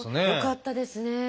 よかったですね。